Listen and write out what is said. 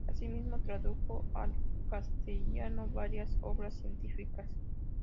Asimismo, tradujo al castellano varias obras científicas.